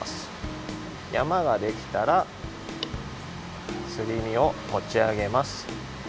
やまができたらすり身をもちあげます。